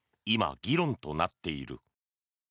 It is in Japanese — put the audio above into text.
今、議論となっている。